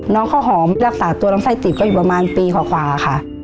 น้องเราหอมรักษาตัวรังไส้สิอยู่ประมาณปีขว่าขวานค่ะ